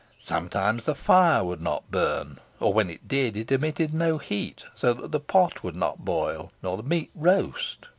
Sometimes the fire would not burn, or when it did it emitted no heat, so that the pot would not boil, nor the meat roast.